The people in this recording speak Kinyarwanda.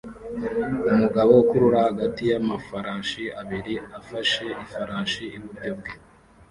umugabo ukurura hagati y'amafarashi abiri afashe ifarashi iburyo bwe